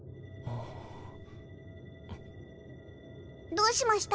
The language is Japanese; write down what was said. どうしました？